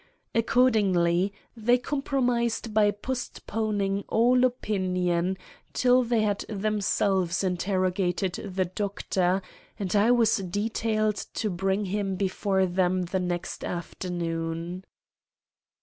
Accordingly they compromised by postponing all opinion till they had themselves interrogated the Doctor, and I was detailed to bring him before them the next afternoon.